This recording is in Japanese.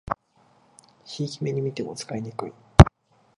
ひいき目にみても使いにくい